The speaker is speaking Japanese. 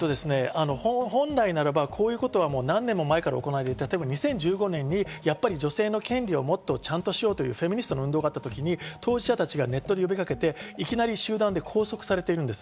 本来ならばこういうことは何年も前から行われていて、２０１５年に女性の権利をもっとちゃんとしようというフェミニストの運動があった時、当事者がネットで呼びかけていきなり集団で拘束されています。